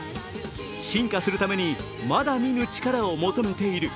進化するために、まだ見ぬ力を求めている。